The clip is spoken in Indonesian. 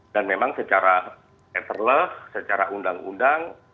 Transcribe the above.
dan memang secara seterlef secara undang undang